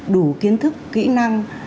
đủ kiến thức kỹ năng